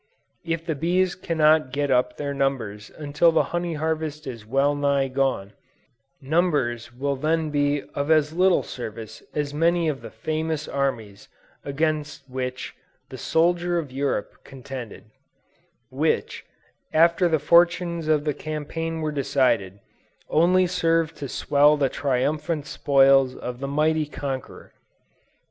If the bees cannot get up their numbers until the honey harvest is well nigh gone, numbers will then be of as little service as many of the famous armies against which "the soldier of Europe" contended; which, after the fortunes of the campaign were decided, only served to swell the triumphant spoils of the mighty conqueror.